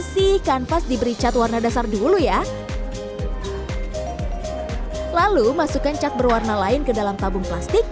sih kanvas diberi cat warna dasar dulu ya lalu masukkan cat berwarna lain ke dalam tabung plastik